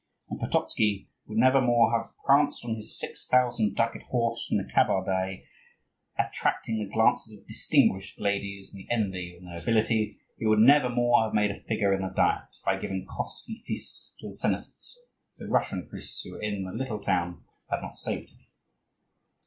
And Pototzky would never more have pranced on his six thousand ducat horse from the Kabardei, attracting the glances of distinguished ladies and the envy of the nobility; he would never more have made a figure in the Diet, by giving costly feasts to the senators if the Russian priests who were in the little town had not saved him.